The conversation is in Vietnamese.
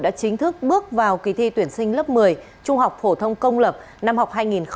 đã chính thức bước vào kỳ thi tuyển sinh lớp một mươi trung học phổ thông công lập năm học hai nghìn hai mươi hai nghìn hai mươi